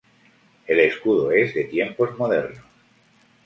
El escudo es de tiempos modernos.